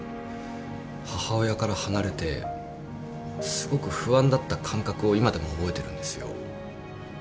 母親から離れてすごく不安だった感覚を今でも覚えてるんですよ。